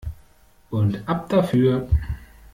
Und ab dafür!